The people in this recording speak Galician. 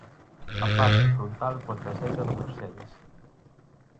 A parte frontal coa traseira do Mercedes.